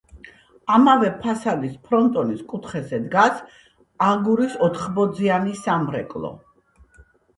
ამავე ფასადის ფრონტონის კუთხეზე დგას აგურის ოთხბოძიანი სამრეკლო.